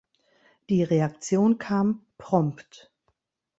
Die Reaktion kam prompt.